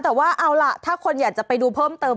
แต่ว่าเอาล่ะถ้าคนอยากจะไปดูเพิ่มเติม